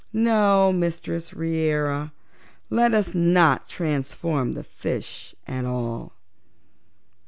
No, Mistress Reera, let us not transform the fishes at all."